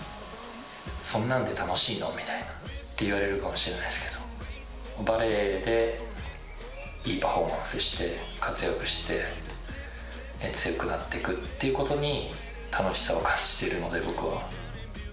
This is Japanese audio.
そんなんで楽しいの？みたいな、言われるかもしれないですけど、バレーでいいパフォーマンスして、活躍して強くなっていくっていうことに、楽しさを感じてるので、僕は。